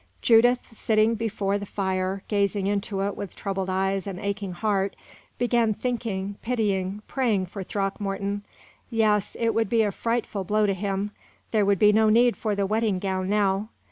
Judith, sitting before the fire, gazing into it with troubled eyes and aching heart, began thinking, pitying, praying for Throckmorton. Yes, it would be a frightful blow to him. There would be no need for the wedding gown now.